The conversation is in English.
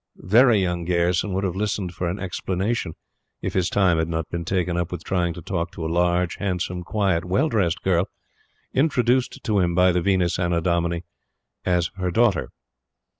"Very Young" Gayerson would have listened for an explanation, if his time had not been taken up with trying to talk to a large, handsome, quiet, well dressed girl introduced to him by the Venus Annodomini as her daughter.